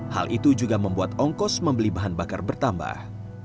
hal itu juga membuat ongkos membeli bahan bakar bertambah